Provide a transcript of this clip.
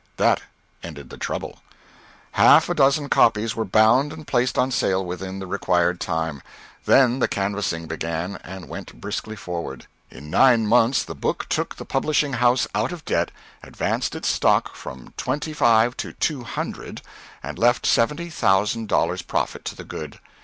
That ended the trouble. Half a dozen copies were bound and placed on sale within the required time. Then the canvassing began, and went briskly forward. In nine months the book took the publishing house out of debt, advanced its stock from twenty five to two hundred, and left seventy thousand dollars profit to the good.